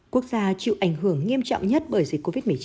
quốc gia chịu ảnh hưởng nghiêm trọng nhất bởi dịch covid một mươi chín